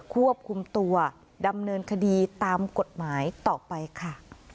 ควบคุมตัวดำเนินคดีตามกฎหมายต่อไปค่ะ